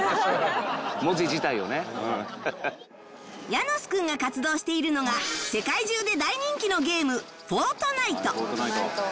ヤノスくんが活動しているのが世界中で大人気のゲーム『ＦＯＲＴＮＩＴＥ』